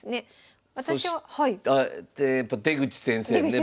でやっぱ出口先生はね